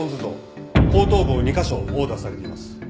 後頭部を２カ所殴打されています。